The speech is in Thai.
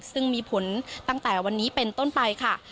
ซึ่งมีผลตั้งแต่วันนี้เป็นต้นไปค่ะ